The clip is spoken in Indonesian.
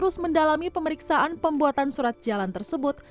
terus mendalami pemeriksaan pembuatan surat jalan tersebut